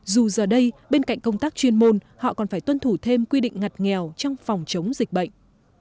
dù giờ đây bên cạnh công tác chuyên môn họ còn phải tuân thủ thêm quy định ngặt nghèo trong phòng chống dịch bệnh